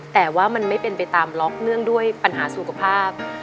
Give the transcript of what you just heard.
แต่ว่ามันไม่เป็นไปตามล็อกเนื่องด้วยปัญหาสุขภาพ